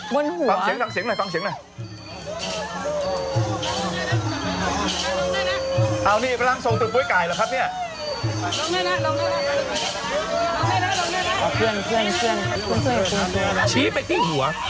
บนหัวฟังเสียงหน่อยเลย